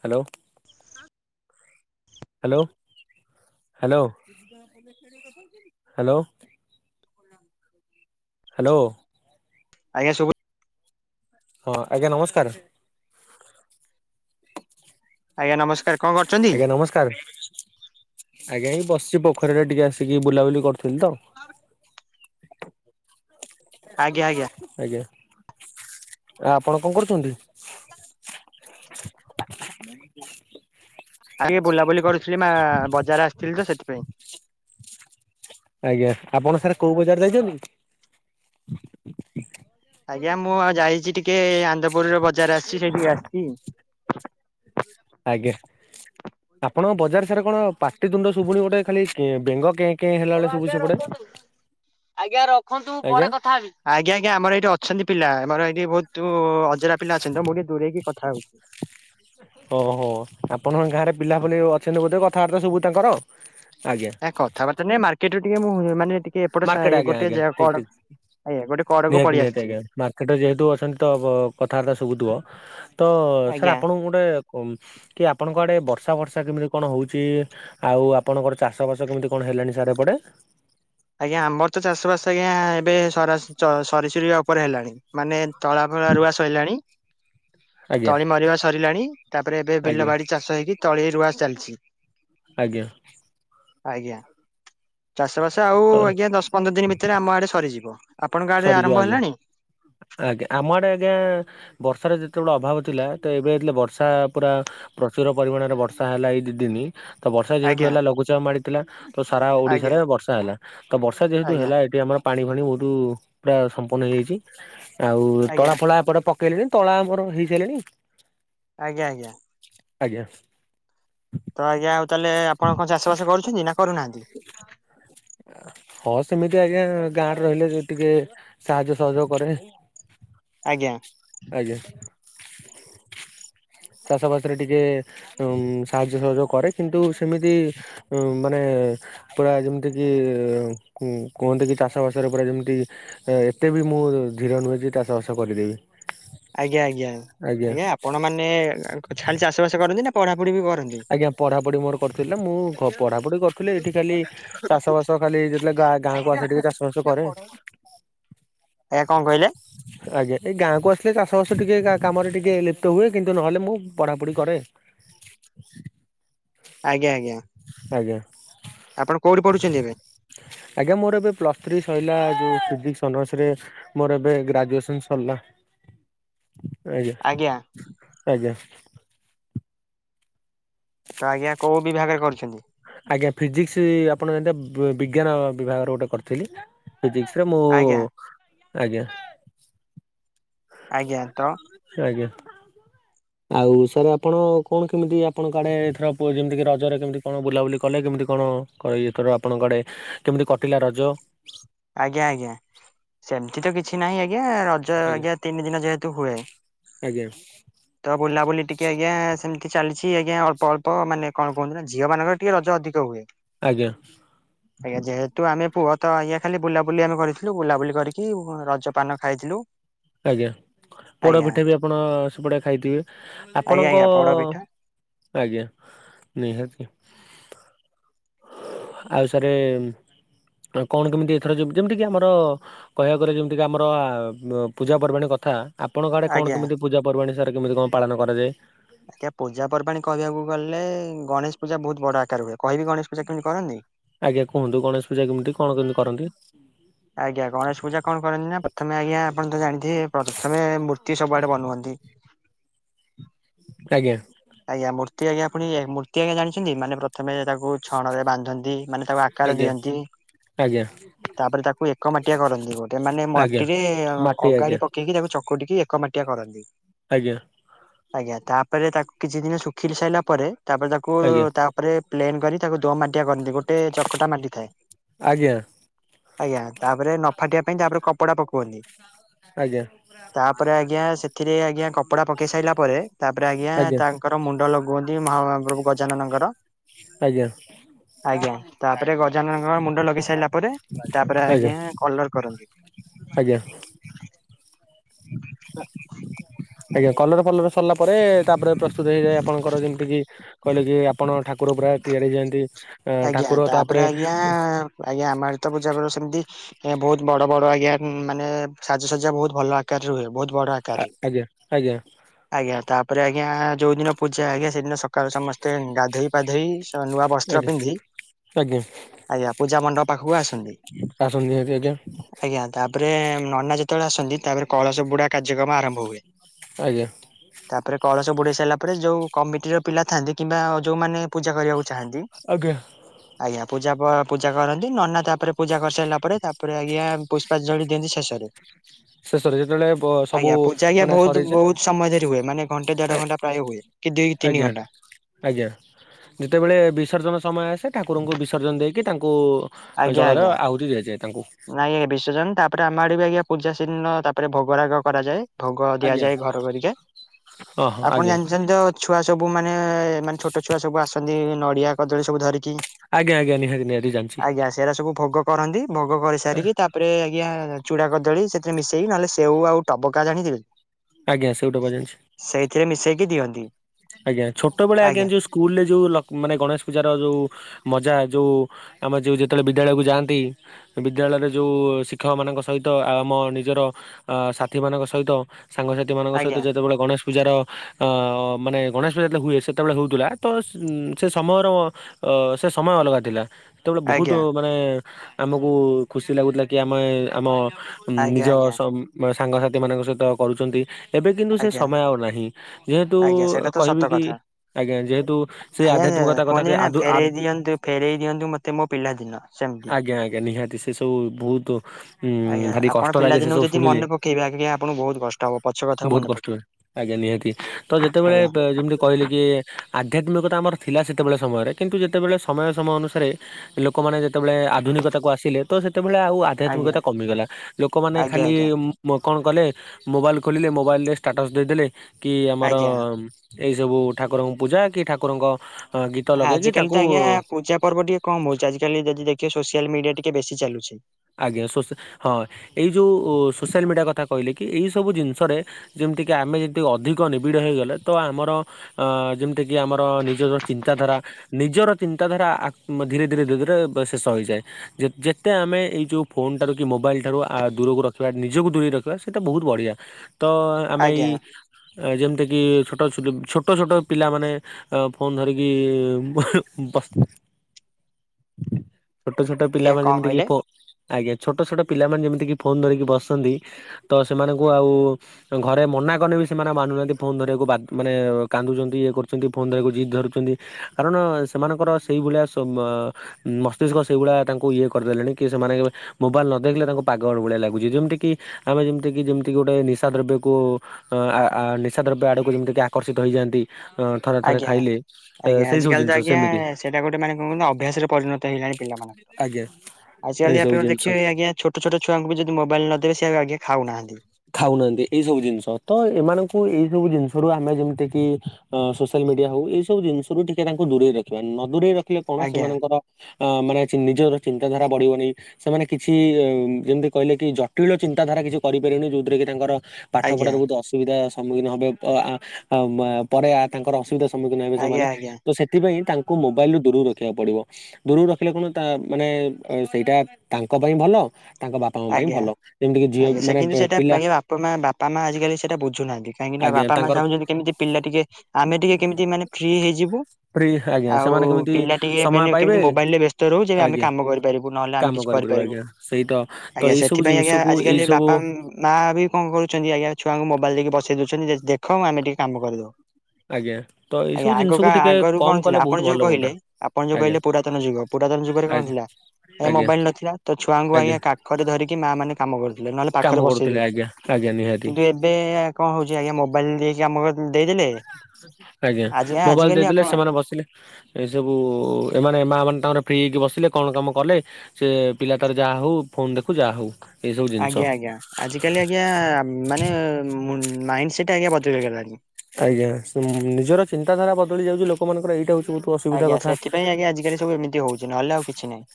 Hello. Hello hello hello. Hello. ଆଜ୍ଞା ଶୁବୁ ହଁ ଆଜ୍ଞା ନମସ୍କାର। ଆଜ୍ଞା ନମସ୍କାର। କଣ କରୁଛନ୍ତି? ଆଜ୍ଞା ନମସ୍କାର ଆଜ୍ଞା ଏଇ ବସିଛି ପୋଖରୀରେ ଟିକେ ଆସିକି ବୁଲାବୁଲି କରୁ ଥିଲି ତ। ଆଜ୍ଞା ଆଜ୍ଞା ଆଜ୍ଞା ଆ ଆପଣ କଣ କରୁଛନ୍ତି। ଆଏ ବୁଲାବୁଲି କରୁଥିଲି ମା ବଜାର ଆସିଥିଲି ତ ସେଥିପାଇଁ। ଆଜ୍ଞା ଆପଣ ସାର୍ କୋଉ ବଜାର ଯାଇଛନ୍ତି। ଆଜ୍ଞା ମୁଁ ଆଉ ଯାଇଛି ଟିକେ ଆନ୍ଦପୁରର ବଜାର ଆସିଛି ସେଇଠିକି ଆସିଛି। ଆଜ୍ଞା ଆପଣ ବଜାର ସାର୍ କଣ ପାଟିିତୁଣ୍ଡ ଶୁଭୁନି ଗୋଟେ ଖାଲି କେଁ ବେଙ୍ଗ କେଁ କେଁ ହେଲା ହଉ ଭଳିଆ ଶୁଭୁଛି ଆଜ୍ଞା ସେପଟେ ରଖନ୍ତୁ ଆଜ୍ଞା ରଖନ୍ତୁ ଆଜ୍ଞା। ପରେ କଥା ହେବି। ଆଜ୍ଞା ଆଜ୍ଞା ଆମର ଏଇଠି ଅଛନ୍ତି ପିଲା ଆମର ଏଠି ବହୁତ ଅଜରା ପିଲା ଅଛନ୍ତି ତ ମୁଁ ଟିକେ ଦୂରେଇକି କଥା ହଉଛି। ଓହୋ ଆପଣଙ୍କ ଗାଁରେ ପିଲାପଲି ଅଛନ୍ତି ବୋଧେ କଥାବାର୍ତ୍ତା ଶୁବୁ ତାଙ୍କର ଆଜ୍ଞା। ଆ କଥାବାର୍ତା ନୁହେଁ ମାର୍କେଟରେ ଟିକେ ମୁଁ ମାନେ ଟି ମାର୍କେଟ୍ ଆଜ୍ଞା ଆଜ୍ଞା ଠିକ୍ ଠିକ୍। ଏ ଗୋଟେ କଟ ନିହାତି ନିହାତି ଆଜ୍ଞା ମାର୍କେଟରେ ଯେହେତୁ ଅଛନ୍ତି ତ ବ କଥାବାର୍ତ୍ତା ଶୁବୁଥିବ। ତ ସାର୍ ଆଜ୍ଞା। ଆପଣଙ୍କୁ ଗୋଟେ କ କି ଆପଣଙ୍କ ଆଡେ ବର୍ଷା ଫର୍ଷା କେମିତି କଣ ହଉଛି। ଆଉ ଆପଣଙ୍କର ଚାଷବାସ କେମିତି କଣ ହେଲାଣି ସାରେ ଏପଟେ। ଆଜ୍ଞା ଆମର ତ ଚାଷ ବାସ ଆଜ୍ଞା ଏବେ ସରାସ ଚ ସରି ସରିବା ଉପରେ ହେଲାଣି ମାନେ ତଳା ଫଳା ରୁଆ ସଇଲାଣି ଆଜ୍ଞା ତଳି ମରିବା ସରିଲାଣି ତାପରେ ଏବେ ବିଲ ଆଜ୍ଞା ବାଡ଼ି ଚାଷ ହେଇକି ତଳି ରୁଆ ଚାଲିଚି। ଆଜ୍ଞା। ଆଜ୍ଞା ଚାଷ ବାସ ଆଉ ତ ଆଜ୍ଞା ଦଶ୍ ପନ୍ଦର ଦିନି ଭିତରେ ଆମ ଆଡେ ସରିଯିବ। ଆପଣଙ୍କ ଆଡେ ସରିଯିବ ଆରମ୍ଭ ଆଜ୍ଞା ହେଲାଣି? ଆଜ୍ଞା ଆମ ଆଡେ ଆଜ୍ଞା ବର୍ଷାରେ ଯେତେବେଳେ ଅଭାବ ଥିଲା ତ ଏବେ ଯେତେଳେ ବର୍ଷା ପୁରା ପ୍ରଚୁର ପରିମାଣରେ ବର୍ଷା ହେଲା ଏଇ ଦି ଦିନି ତ ବର୍ଷା ଯେହେତୁ ଆଜ୍ଞା ହେଲା ଲଘୁଚାପ ମାଡ଼ିଥିଲା ତ ସାରା ଆଜ୍ଞା ଓଡିଶାରେ ବର୍ଷା ହେଲା ତ ବର୍ଷା ଯେହେତୁ ଆଜ୍ଞା ହେଲା ଏଠି ଆମର ପାଣି ଫାଣି ବହୁତୁ ପୁରା ସମ୍ପୂଣ୍ଣ ହେଇଯାଇଚି ଆଉ ଆଜ୍ଞା ତଳା ଫଳା ଏପଟ ପକେଇଲେଣି ତଳା ଆମର ହେଇ ସାଇଲାଣି। ଆଜ୍ଞା ଆଜ୍ଞା। ଆଜ୍ଞା। ତ ଆଜ୍ଞା ଆଉ ତାହେଲେ ଆପଣ କଣ ଚାଷବାସ କରୁଛନ୍ତି ନା କରୁନାହାଁନ୍ତି। ହଁ ସେମିତି ଆଜ୍ଞା ଗାଁରେ ରହିଲେ ଯୁ ଟିକେ ସାହାଯ୍ୟ ସହଯୋଗ କରେ। ଆଜ୍ଞା। ଆଜ୍ଞା। ଚାଷବାସରେ ଟିକେ ଉଁ ସାହାଯ୍ୟ ସହଯୋଗ କରେ କିନ୍ତୁ ସେମିତି ଉଁ ମାନେ ପୁରା ଯେମିତି କି କୁଁ କୁହନ୍ତି କି ଚାଷ ବାସରେ ପୁରା ଯେମିତି ଏ ଏତେ ବି ମୁଁ ଧୀର ନୁହେଁ ଯେ ଚାଷ ବାସ କରିଦେବି। ଆଜ୍ଞା ଆଜ୍ଞା ଆଜ୍ଞା ଆପଣ ମାନେ ଏ ଖାଲି ଚାଷ ବାସ କରନ୍ତି ନା ପଢାପଢି ବି କରନ୍ତି? ଆଜ୍ଞା ପଢ଼ାପଢି ମୋର କରୁଥିଲି ମୁଁ ପ ପଢାପଢି କରୁଥିଲି ଏଠି ଖାଲି ଚାଷ ବାସ ତ ଖାଲି ଯେତେବେଳେ ଗା ଗାଁକୁ ଆସେ ଟିକେ ଚାଷ ବାସ କରେ। ଏଁ କଣ କହିଲେ? ଆଜ୍ଞା ଏଇ ଗାଁକୁ ଆସିଲେ ଚାଷବାସ ଟିକେ କା କାମରେ ଟିକେ ଲିପ୍ତ ହୁଏ କିନ୍ତୁ ନହେଲେ ମୁଁ ପଢ଼ାପଢ଼ି କରେ। [inaudible] ଆଜ୍ଞା ଆଜ୍ଞା। ଆଜ୍ଞା। ଆପଣ କୋଉଠି ପଢୁଚନ୍ତି ଏବେ? ଆଜ୍ଞା ମୋର ଏବେ ପ୍ଲସ୍ ଥ୍ରୀ ସଇଲା ଯୋଉ ଫିଜିକ୍ସ ଅନର୍ଶ ରେ। ମୋର ଏବେ ଗ୍ରାଜୁଏସନ ସରଲା। ଆଜ୍ଞା ଆଜ୍ଞା। ତ ଆଜ୍ଞା କୋଉ ବିଭାଗରେ କରୁଛନ୍ତି? ଆଜ୍ଞା ଫିଜିକ୍ସ ଆପଣ ଯେ ଏଁତିଆ ବି ବିଜ୍ଞାନ ବିଭାଗର ଗୋଟେ କରିଥିଲି। ଫିଜିକ୍ସ ରେ ମୁଁ ଆଜ୍ଞା ଆଜ୍ଞା। ଆଜ୍ଞା ତ ଆଜ୍ଞା। ଆଉ ସାର୍ ଆପଣ କଣ କେମିତି ଆପଣ ଆଡ଼େ ଏଥର ପୁ ଯେମିତିକି ରଜରେ କେମିତି କଣ ବୁଲାବୁଲି କଲେ କେମିତି କଣ? କ ଇଏଥର ଆପଣଙ୍କ ଆଡ଼େ କେମିତି କଟିଲା ରଜ? ଆଜ୍ଞା ଆଜ୍ଞା ସେମ ତି କିଛି ନାହିଁ ଆଜ୍ଞା ରଜ ଆଜ୍ଞା ତିନି ଦିନ ଯେହେତୁ ହୁଏ। ଆଜ୍ଞା ତ ବୁଲାବୁଲି ଟିକେ ଆଜ୍ଞା ସେମିତି ଚାଲିଛି ଆଜ୍ଞା ଅଳ୍ପ ଅଳ୍ପ ମାନେ କଣ କୁହନ୍ତି ନା ଝିଅ ମାନଙ୍କର ଟିକେ ରଜ ଅଧିକ ହୁଏ। ଆଜ୍ଞା। ଆଜ୍ଞା ଯେହେତୁ ଆମେ ପୁଅ ତ ଆଜ୍ଞା। ଖାଲି ବୁଲାବୁଲି ଆମେ କରିଥିଲୁ ବୁଲାବୁଲି କରିକି ରଜପାନ ଖାଇଥିଲୁ। ଆଜ୍ଞା ପୋଡ ଆଜ୍ଞା ପିଠା ବି ଆପଣ ସେପଟେ ଖାଇଥିବେ ଆଜ୍ଞା ଆପଣଙ୍କ ଆଜ୍ଞା ପୋଡ ପିଠା ଆଜ୍ଞା ନିହାତି। ଆଉ ସାରେ କଣ କେମିତି ଏଥର ଯେମିତି କିି ଆମର କହିବାକୁ ଗଲେ ଯେମିତି କି ଆମର ପୂଜା ପର୍ବାଣୀ କଥା ଆପଣଙ୍କ ଆଡେ କଣ ଆଜ୍ଞା। କେମିତି ପୂଜା ପର୍ବାଣି ସାରେ କେମିତି କଣ ପାଳନ କରାଯାଏ? ଆଜ୍ଞା ପୂଜା ପର୍ବାଣି କହିବାକୁ ଗଲେ ଗଣେଶ ପୂଜା ବହୁତ ବଡ ଆକାର ହୁଏ କହିବି ଗଣେଶ ପୂଜା କେମିତି କରନ୍ତି? ଆଜ୍ଞା କୁହନ୍ତୁ ଗଣେଶ ପୂଜା କେମିତି କଣ କେମିତି କରନ୍ତି? [inaudible] ଆଜ୍ଞା ଗଣେଶ ପୂଜା କଣ କରନ୍ତି ନା ପ୍ରଥମେ ଆଜ୍ଞା ଆପଣ ତ ଜାଣିଥିବେ ପ୍ରଥମେ ମୂର୍ତ୍ତି ସବୁଆଡେ ବନୁଅନ୍ତି। ଆଜ୍ଞା। ଆଜ୍ଞା ମୂର୍ତ୍ତି ଆଜ୍ଞା ପୁଣି ମୂର୍ତ୍ତି ଆଜ୍ଞା ଜାଣିଛନ୍ତି ମାନେ ପ୍ରଥମେ ତାକୁ ଛଣରେ ବାନ୍ଧନ୍ତି। ମାନେ ତାକୁ ଆକାର ଆଜ୍ଞା ଦିଅନ୍ତି। ଆଜ୍ଞା। ତାପରେ ତାକୁ ଏକ ମାଟିଆ କରନ୍ତି ଗୋଟେ ମାନେ ଆଜ୍ଞା ମାଟିରେ ମାଟି ଆଜ୍ଞା ଅଗାଡି ପ କେଇକି ତାକୁ ଚକୁଟିକି ଏକ ମାଟିଆ କରନ୍ତି। ଆଜ୍ଞା। ଆଜ୍ଞା ତାପରେ ତାକୁ କିଛି ଦିନ ଶୁଖି ସାରିଲା ପରେ ତାପରେ ତାକୁ ଆଜ୍ଞା ତା ତାରେ ପ୍ଲେନ କରି ତାକୁ ଦୋ ମାଟିଆ କରନ୍ତି ଗୋଟେ ଚକଟା ମାଟି ଥାଏ। ଆଜ୍ଞା ଆଜ୍ଞା ତାପରେ ନଫାଟିବା ପାଇଁ ତାପରେ କପଡା ପକୁଆନ୍ତି। ଆଜ୍ଞା। ତାପରେ ଆଜ୍ଞା ସେଥିରେ ଆଜ୍ଞା କପଡା ପକେଇ ସାରିଲା ପରେ ତାପରେ ଆଜ୍ଞା। ତାଙ୍କର ମୁଣ୍ଡ ଲଗୁଅନ୍ତି ମହାପ୍ରଭୁ ଗଜାନନଙ୍କର। ଆଜ୍ଞା ଆଜ୍ଞା ତାପରେ ଗଜାନନଙ୍କ ମୁଣ୍ଡ ଲଗେଇ ସାରିଲା ପରେ ତାପରେ ଆଜ୍ଞା କଲର କରନ୍ତି। ଆଜ୍ଞା। [inaudible] ଆଜ୍ଞା କଲର ଫଲର ସରିଲା ପରେ ତାପରେ ପ୍ରସ୍ତୁତ ହେଇଯାଏ ଆପଣଙ୍କର ଯେମିତି କିି କହିଲେ କି ଆପଣ ଠାକୁର ପୁରା ତିଆରି ହେଇଯାଆନ୍ତି ଆଜ୍ଞା ଠାକୁର ତାପରେ ଆଜ୍ଞା ଆଜ୍ଞା ଆମ ଆଡେ ତ ପୂଜା ପର୍ବ ସେମିତି। ଏ ବହୁତ ବଡ ବଡ ଆଜ୍ଞା ମାନେ ସାଜସଜ୍ଜା ବହୁତ ଭଲ ଆକାରରେ ହୁଏ ବହୁତ ବଡ ଆ ଆ ଆଜ୍ଞା ଆଜ୍ଞା। ଆଜ୍ଞା ତାପରେ ଆଜ୍ଞା ଯୋଉ ଦିନ ପୂଜା ଆଜ୍ଞା ସେଦିନ ସକାଳୁ ସମସ୍ତେ ଗାଧେଇ ପାଧେଇ ନୂଆ ବସ୍ତ୍ର ଆଜ୍ଞା ପିନ୍ଧି ଆଜ୍ଞା ଆଜ୍ଞା ପୂଜା ମଣ୍ଡପ ପାଖକୁ ଆସନ୍ତି। ଆସନ୍ତୁ ନିହାତି ଆଜ୍ଞା। ଆଜ୍ଞା ତାପରେ ନନା ଯେତେବେଳେ ଆସନ୍ତି ତାପରେ କଳସ ବୁଡା କାର୍ଯ୍ୟକ୍ରମ ଆରମ୍ଭ ହୁଏ। ଆଜ୍ଞା। ତାପରେ କଳସ ବୁଡେଇ ସାରିଲା ପରେ ଯୋଉ କମିଟିର ପିଲା ଥାନ୍ତି କିମ୍ବା ଯୋଉମାନେ ପୂଜା କରିବାକୁ ଚାହାନ୍ତି। ଆଜ୍ଞା ଆଜ୍ଞା ପୂଜା ପୂଜା କରନ୍ତି ନନା ତାପରେ ପୂଜା କରିସାରିଲା ପରେ ତାପରେ ଆଜ୍ଞା ପୁଷ୍ପାଞ୍ଜଳି ଦିଅନ୍ତି ଶେଷରେ। ଶେଷରେ ଯେତେବେଳେ ସବୁ ଆଜ୍ଞା ପୂଜା ଆଜ୍ଞା ମାନେ ବହୁତ ସରିଯାଏ ବହୁତ ସମୟ ଧରି ହୁଏ। ମାନେ ଘଣ୍ଟେ ଦେଢ ଘଣ୍ଟା ପ୍ରାୟ ହୁଏ କି ଦୁଇ ତିନି ଆଜ୍ଞା ଘଣ୍ଟା। ଆଜ୍ଞା ଯେତେବେଳେ ବିସର୍ଜନ ସମୟ ଆସେ ଠାକୁରଙ୍କୁ ବିସର୍ଜନ ଦେଇକି ତାଙ୍କୁ ଆଜ୍ଞା ଜଳରେ ଆଜ୍ଞା ଆହୁତି ଦିଆଯାଏ ତାଙ୍କୁ। ନାଇଁ ଆଜ୍ଞା ବିଶ୍ୱଜନ ତାପରେ ଆମ ଆଡେ ବି ଆଜ୍ଞା ପୂଜା ସେଦିନ ତାପରେ ଭୋଗରାଗ କରାଯାଏ। ଭୋଗ ଆଜ୍ଞା ଦିଆଯାଏ ଘର ଘରିକା ଓହୋ ଆପଣ ଆଜ୍ଞା ଜାଣିଛନ୍ତି ତ ଛୁଆ ସବୁ ମାନେ ମାନେ ଛୋଟ ଛୁଆ ସବୁ ଆସନ୍ତି ନଡିଆ କଦଳୀ ସବୁ ଧରିକି। ଆଜ୍ଞା ଆଜ୍ଞା ନିହାତି ନିହାତି ଜାଣିଛି। ସେଇରା ସବୁ ଭୋଗ କରନ୍ତି ଭୋଗ କରିସାରିକି ତା ପରେ ଆଜ୍ଞା ଚୁଡା କଦଳୀ ସେଥିରେ ମିଶେଇକି ନହେଲେ ସେଉ ଆଉ ଟବକା ଜାଣି ଥିବେ। ଆଜ୍ଞା ସେଉ ଟବକା ଜାଣିଚି। ସେଇଥିରେ ମିଶେଇକି ଦିଅନ୍ତି। ଆଜ୍ଞା ଛୋଟବେଳେ ଆଜ୍ଞା ଯୋଉ ସ୍କୁଲ ରେ ଯୋଉ ଲ ମାନେ ଗଣେଶ ପୂଜାର ଯୋଉ ମଜା ଯୋଉ ଆମର ଯୋଉ ଯେତେବେଳେ ବିଦ୍ୟାଳୟକୁ ଯାଆନ୍ତି। ବିଦ୍ୟାଳୟରେ ଯେଉଁ ଶିକ୍ଷକମାନଙ୍କ ସହିତ ଆମ ନିଜର ଅ ସାଥି ମାନଙ୍କ ସହିତ ସାଙ୍ଗସାଥି ମାନଙ୍କ ସହିତ ଆଜ୍ଞା ଯେତେବେଳେ ଗଣେଶ ପୂଜାର ଅ ମାନେ ଗଣେଶ ପୂଜା ଯେବେଳେ ହୁଏ ସେତେବେଳେ ହେଉଥିଲା। ତ ସେ ସମୟର ଅ ସେ ସମୟ ଅଲଗା ଥିଲା। ସେତେବେଳେ ବହୁତ ଆଜ୍ଞା ମାନେ ଆମକୁ ଖୁସି ଲାଗୁଥିଲା କି ଆମେ ଆମ ଆଜ୍ଞା ନିଜ ଆଜ୍ଞା ସମ ସାଙ୍ଗସାଥି ମାନଙ୍କ ସହିତ କରୁଛନ୍ତି। ଏବେ କିନ୍ତୁ ସେ ସମୟ ଆଉ ନାହିଁ ଯେହେତୁ ଏଟା ତ କହିବି ସତ କି କଥା। ଆଜ୍ଞା ଯେହେତୁ ସେ ଆଜ୍ଞା ଆଧ୍ୟାତ୍ମିକତା କଥା କି କୁହନ୍ତିିନି ନା ଆଦୁ ଆଦ୍ ଫେରଇ ଦିଅନ୍ତୁ ଫେରଇ ଦିଅନ୍ତୁ ମତେ ମୋ ପିଲାଦିନ। ସେମିତି ଆଜ୍ଞା ଆଜ୍ଞା ନିହାତି ସେ ସବୁ ବହୁତ ଉଁ ଭାରି କଷ୍ଟ ଲାଗେ ସେ ସବୁ ଶୁଣିଲେ। କିଣିଆ କିଣିଆ ଆପଣଙ୍କୁ ବହୁତ କଷ୍ଟ ହବ ପଛ କ ବହୁତ କଷ୍ଟରେ ଆଜ୍ଞା ନିହାତି ତ ଯେତେବେଳେ ଆଜ୍ଞା ଯେମିତି କହିଲି କି ଆଧ୍ୟାତ୍ମିକତା ଆମର ଥିଲା ସେତେବେଳେ ସମୟରେ କିନ୍ତୁ ଯେତେବେଳେ ସମୟ ସମୟ ଅନୁସାରେ ଲୋକମାନେ ଯେତେବେଳେ ଆଧୁନିକତାକୁ ଆସିଲେ ତ ସେତେବେଳେ ଆଉ ଆ ଆଜ୍ଞା ଆଧ୍ୟାତ୍ମିକତା କମିଗଲା ଲୋକମାନେ ଆଜ୍ଞା ଖାଲି ଆଜ୍ଞା ମୁ କଣ କଲେ ମୋବାଇଲ୍ ଖୋଲିଲେ ମୋବାଇଲରେ ଷ୍ଟାଟସ୍ ଦେଇଦେଲେ କି ଆମର ଆଜ୍ଞା ଏଇ ସବୁ ଠାକୁରଙ୍କୁ ପୂଜା କି ଠାକୁରଙ୍କ ଗୀତ ଲଗେଇକି ଆଜିକାଲି ତାକୁ ତ ଆଜ୍ଞା ପୂଜା ପର୍ବ ଟିକେ କମ ହଉଛି ଆଜିକାଲି ଯଦି ଦେଖିବେ ସୋସିଆଲ ମିଡିଆ ଟିକେ ବେଶୀ ଚାଲୁଛି। ଆଜ୍ଞା ସୋସି ହଁ ଏଇ ଯଉ ସୋସିଆଲ ମିଡ଼ିଆ କଥା କହିଲେ କି ଏଇ ସବୁ ଜିନିଷରେ ଯେମିତିକି ଆମେ ଯଦି ଅଧିକ ନିବିଡ଼ ହେଇଗଲେ ତ ଆମର ଅ ଯେମିତି କିି ଆମର ନିଜର ଚିନ୍ତାଧାରା ନିଜର ଚିନ୍ତାଧାରା ଆ ଧୀରେ ଧୀରେ ଧୀରେ ଧୀରେ ଶେଷ ହେଇଯାଏ। ଯେତେ ଆମେ ଏଇ ଯୋଉ ଫୋନ୍ ଠାରୁ କି ମୋବାଇଲ୍ ଠାରୁ ଆ ଦୂରକୁ ରଖିବା ନିଜକୁ ଦୂରେଇ ରଖିବା ସେଇଟା ବହୁତ ବଢ଼ିଆ। ତ ଆମେ ଆଜ୍ଞା ଏଇ ଯେମିତି କିି ଛୋଟ [unintelligible] ଛୋଟ ଛୋଟ ପିଲାମାନେ ଅ ଫୋନ୍ ଧରିକି ବସ୍ ଛୋଟ ଛୋଟ ଆଜ୍ଞା ପିଲାମାନେ କଣ ଯେମିତିକି କହିଲେ ଫୋ ଆଜ୍ଞା ଛୋଟ ଛୋଟ ପିଲାମାନେ ଯେମିତିକି ଫୋନ୍ ଧରିକି ବସନ୍ତି ତ ସେମାନଙ୍କୁ ଆଉ ଘରେ ମନା କଲେ ବି ସେମାନେ ମାନୁନାହାନ୍ତି ଫୋନ୍ ଧରିବାକୁ ମାନେ କାନ୍ଦୁଛନ୍ତି ଇଏ କରୁଛନ୍ତି ଫୋନ୍ ଧରିବାକୁ ଜିଦ୍ ଧରୁଛନ୍ତି। କାରଣ ସେମାନଙ୍କର ସେଇ ଭଳିଆ ସୋମ ମସ୍ତିଷ୍କ ସେଇଭଳିଆ ତାଙ୍କୁ ଇଏ କରିଦେଲେଣି କି ସେମାନେ ମୋବାଇଲ ନ ଦେଖିଲେ ତାଙ୍କୁ ପାଗଳ ଭଳିଆ ଲାଗୁଚି। ଯେମିତିକି ଆମେ ଯେମିତି କିି ଯେମିତି ଗୋଟେ ନିଶା ଦ୍ରବ୍ୟକୁ ଅ ଆ ଆ ନିଶା ଦ୍ରବ୍ୟ ଆଡକୁ ଯେମିତିକି ଆକର୍ଷିତ ହେଇଯାଆନ୍ତି ଅ ଥରେ ଥରେ ଆଜ୍ଞା ଖାଇଲେ। ଆଜ୍ଞା ସେଇ ସବୁ ଆଜିକାଲି ତ ଜିନିଷ ଆଜ୍ଞା ସେମିତି। ସେଇଟା ଗୋଟେ ମାନେ କଣ କହିଲ ଅଭ୍ୟାସରେ ପରିଣତ ହେଇଗଲାଣି ପିଲାମାନଙ୍କର। ଆଜ୍ଞା ଏଇ ଆଜିକାଲି ସବୁ [unintelligible] ଜିନିଷ। ଦେଖିବେ ଆଜ୍ଞା ଛୋ ଛୋଟ ଛୋଟ ଛୁଆଙ୍କୁ ବି ଯଦି ମୋବାଇଲ ନ ଦେବେ ସେ ଆଜ୍ଞା ଖାଉନାହାନ୍ତି। ଖାଉନାହାନ୍ତି ଏଇ ସବୁ ଜିନିଷ। ତ ଏମାନଙ୍କୁ ଏଇ ସବୁ ଜିନିଷ ରୁ ଆମେ ଯେମିତି କି ଅ ସୋସିଆଲ ମିଡିଆ ହଉ ଏଇ ସବୁ ଜିନିଷରୁ ଟିକେ ତାଙ୍କୁ ଦୂରେଇ ରଖିବା। ନ ଦୂରେଇ ରଖିଲେ କଣ ଆଜ୍ଞା ସେମାନଙ୍କର ଅ ମାନେ ଚି ନିଜର ଚିନ୍ତାଧାରା ବଢିବନି। ସେମାନେ କିଛି ଯେମିତି କହିଲେ କି ଜଟିଳ ଚିନ୍ତାଧାରା କିଛି କରି ପାରିବେନି ଯଉଥିରେ କି ତାଙ୍କର ପାଠ ଆଜ୍ଞା ପଢାରେ ବହୁତ୍ ଅ ସୁବିଧା ସମ୍ମୁଖୀନ ହେବେ। [unintelligible] ପରେ ଆ ତାଙ୍କର ଅସୁବିଧା ସମ୍ମୁଖୀନ ହେବେ ଆଜ୍ଞା ସେମାନେ। ଆଜ୍ଞା ତ ସେଥିପାଇଁ ତାଙ୍କୁ ମୋବାଇଲ ରୁ ଦୂର କୁ ରଖିବାକୁ ପଡିବ। ଦୂରୁ କୁ ରଖିଲେ କଣ ତା ମାନେ ସେଇଟା ତାଙ୍କ ପାଇଁ ଭଲ। ତାଙ୍କ ବାପା ମା ଙ୍କ ପାଇଁ ଭଲ। ଯେମିତିକି ଝିଅ ମାନେ ସେଟା ପିଲା ବାପା ମା ବାପା ମା ଆଜିକାଲି ସେଇଟା ବୁଝୁନାହାନ୍ତି। କାହିଁକି ନା ଆଜ୍ଞା ବାପା ମା ତାଙ୍କର ଚାହୁଁଛନ୍ତି କେମିତି ପିଲା ଟିକେ ଆମେ ଟିକେ କେମିତି ମାନେ ଫ୍ରି ହେଇଯିବୁ। ଫ୍ରି ଆଜ୍ଞା ଆଉ ସେମାନେ କେମିତି ପିଲା ଟିକେ ସମୟ ମାନେ ପାଇବେ କେମତି ମୋବାଇଲ ରେ ବ୍ୟସ୍ତ ରହୁ ଯେ ଆମେ ଆଜ୍ଞା କାମ କରିପାରିବୁ। [unintelligible] ନହେଲେ ଆମେ କାମ କିଛି କରିପାରିବ କରିପାରିବୁ। ଆଜ୍ଞା ସେଇତ। ତ ଆଜ୍ଞା। ଏଇ ସବୁ ସେଥିପାଇଁ ଆଜ୍ଞା ଜିନିଷକୁ ଏଇ ଆଜିକାଲି ସବୁ ବାପା ମା ବି କଣ କରୁଚନ୍ତି ଆଜ୍ଞା ଛୁଆଙ୍କୁ ମୋବାଇଲ ଦେଇକି ବସେଇ ଦଉଛନ୍ତି, ଦେଖ ଆମେ ଟିକେ କାମ କରିଦଉ। ଆଜ୍ଞା ତ ଏଇ ଆଜ୍ଞା ସବୁ ଆଗ ଜିନିଷକୁ କା ଟିକେ ଆଗରୁ କମ କଣ ଥିଲା, କଲେ ଆପଣ ବହୁତ ଯୋଉ ଭଲ ହୁଅନ୍ତା। କହିଲେ ଆପଣ ଯୋଉ ଆଜ୍ଞା କହିଲେ ପୁରାତନ ଯୁଗ ପୁରାତନ ଯୁଗରେ କଣ ଆଜ୍ଞା ଥିଲା, ଏ ଆଜ୍ଞା ମୋବାଇଲ ନଥିଲା, ତ ଛୁଆଙ୍କୁ ଆଜ୍ଞା କା ଖରେ ଧରିକି ମା ମାନେ କାମ କରୁଥିଲେ। ନହେଲେ ପାଖରେ କାମ ବସେଇ କରୁଥିଲେ ଦଉଥିଲେ। ଆଜ୍ଞା ଆଜ୍ଞା ନିହାତି କିନ୍ତୁ ଏ ଏବେ କଣ ହଉଛି ଆଜ୍ଞା ମୋବାଇଲ ଦେଇକି [unintelligible] ଦେଇଦେଲେ ଆଜ୍ଞା। ଆଜି ମୋବାଇଲ ଆଜିକାଲି ଦେଇଦେଲେ ଆପଣ ସେମାନେ ବସିଲେ। ଏସବୁ ଏମାନେ ମା ମାନେ ତାଙ୍କର ଫ୍ରି ହେଇକି ବସିଲେ, କଣ କାମ କଲେ ସେ ପିଲା ତାର ଯାହା ହଉ ଫୋନ୍ ଦେଖୁ ଯାହା ହଉ। ଏଇ ସବୁ ଜିନିଷ ଆଜ୍ଞା ଆଜ୍ଞା। ଆଜି କାଲି ଆଜ୍ଞା ମାନେ ମାଇଣ୍ଡ ସେଟ୍ ଆଜ୍ଞା ବଦଳି ଗଲାଣି। ଆଜ୍ଞା। ନିଜର ଚିନ୍ତାଧାରା ବଦଳି ଯାଉଚି ଲୋକମାନଙ୍କର ଏଇଟା ହଉଚି ଆଜ୍ଞା। ସେଥିପାଇଁ ଆଜ୍ଞା ଆଜି କାଲି ସବୁ ଏମିତି ହଉଚି ନହେଲେ ଆଉ କିଛି ନାଇଁ।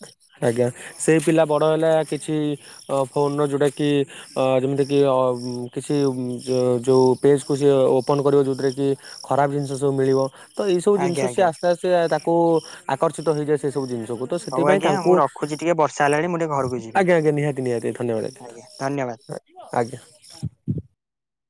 ଆଜ୍ଞା। ସେଇ ପିଲା ବଡ ହେଲା କିଛି ଫୋନ୍ ର ଯୋଉଟା କି ଅ ଯେମିତିକି କିଛି ଯୋଉ ପେଜ୍‌ କୁ ସିଏ ଓପନ୍ କରିବ ଯୋଉଥିରେ କି ଖରାପ ଜିନିଷ ସବୁ ମିଳିବ। ତ ଏଇସବୁ ଜିନିଷ ଆଜ୍ଞା ସିଏ ଆଜ୍ଞା ଆସ୍ତେ ଆସ୍ତେ ତାକୁ ଆକର୍ଷିତ ହେଇଯାଏ ସେ ସବୁ ଜିନିଷକୁ। ତ ହଉ ସେଥିପାଇଁ ଆଜ୍ଞା ମୁଁ ତାଙ୍କୁ ରଖୁଛି ଟିକେ ବର୍ଷା ହେଲାଣି ମୁଁ ଟିକେ ଘରକୁ ଯିବି ଆଜ୍ଞା ଆଜ୍ଞା ନିହାତି ନିହାତି ଧନ୍ୟବାଦ ଆଜ୍ଞା। ଆଜ୍ଞା।